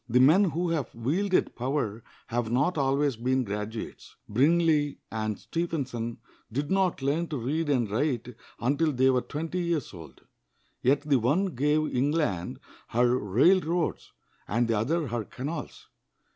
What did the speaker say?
The men who have wielded power have not always been graduates. Brindley and Stephenson did not learn to read and write until they were twenty years old; yet the one gave England her railroads, and the other her canals.